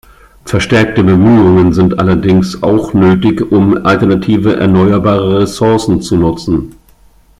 Verstärkte Bemühungen sind allerdings auch nötig, um alternative erneuerbare Ressourcen zu nutzen.